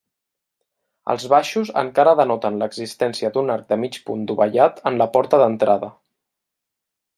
Els baixos encara denoten l'existència d'un arc de mig punt dovellat en la porta d'entrada.